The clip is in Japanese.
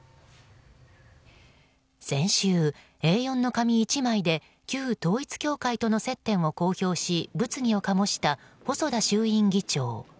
先週、Ａ４の紙１枚で旧統一教会との接点を公表し物議を醸した細田衆院議長。